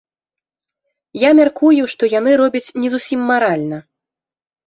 Я мяркую, што яны робяць не зусім маральна.